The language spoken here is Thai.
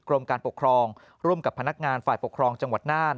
กรมการปกครองร่วมกับพนักงานฝ่ายปกครองจังหวัดน่าน